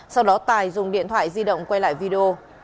sau đó tài dùng điện thoại di động quay lại video